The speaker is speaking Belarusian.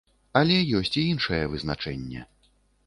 Але ёсць і іншае вызначэнне.